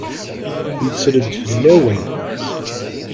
Yetter-d fell-awen.